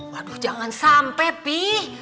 waduh jangan sampai pih